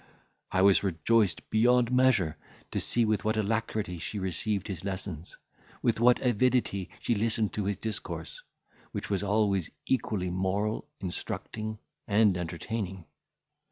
I was rejoiced beyond measure to see with what alacrity she received his lessons, with what avidity she listened to his discourse, which was always equally moral, instructing, and entertaining.